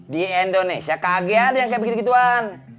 di indonesia kaget yang kayak begitu begituan